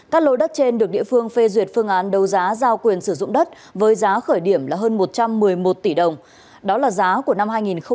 các lô đất trên được địa phương phê duyệt phương án đấu giá giao quyền sử dụng đất với giá khởi điểm là hơn một trăm một mươi một tỷ đồng đó là giá của năm hai nghìn một mươi chín